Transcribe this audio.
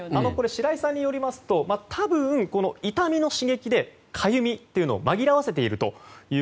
白井さんによりますと多分、痛みの刺激でかゆみを紛らわせていると。